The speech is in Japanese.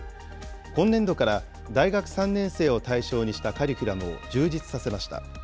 今年度から大学３年生を対象にしたカリキュラムを充実させました。